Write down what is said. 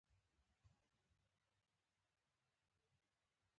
هغه ماته یو ډول ډاډ راکړ.